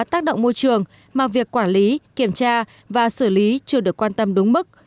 tác động môi trường mà việc quản lý kiểm tra và xử lý chưa được quan tâm đúng mức